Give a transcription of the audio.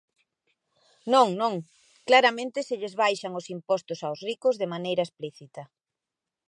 Non, non, claramente se lles baixan os impostos aos ricos de maneira explícita.